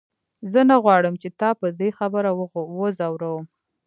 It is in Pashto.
زه نه غواړم چې تا په دې خبره وځوروم.